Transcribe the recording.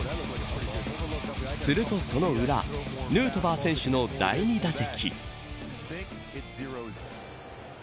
すると、その裏ヌートバー選手の第２打席。